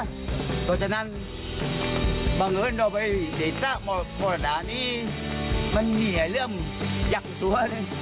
เพราะฉะนั้นบังเอิญโดยเจชน์ธรรมดามันเหนียวเริ่มยักษ์ตัว